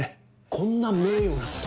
こんな名誉なこと。